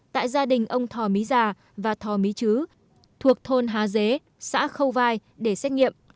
tại gia đình ông thò mý già và thò mý chứ thuộc thôn há dế xã khâu vai để xét nghiệm